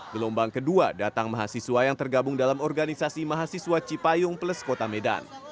gelombang kedua datang mahasiswa yang tergabung dalam organisasi mahasiswa cipayung plus kota medan